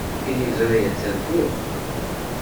Tiliẓri attan tuɣ.